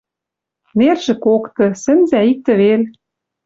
Нержӹ кокты, сӹнзӓ иктӹ вел».